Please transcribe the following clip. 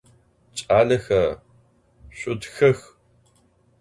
Ç'alexe, şsutxex!